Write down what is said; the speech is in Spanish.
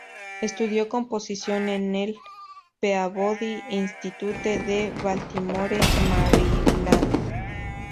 Estudió composición en el Peabody Institute de Baltimore, Maryland.